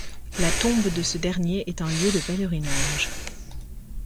La tombe de ce dernier est un lieu de pèlerinage.